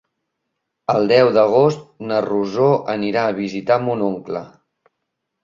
El deu d'agost na Rosó anirà a visitar mon oncle.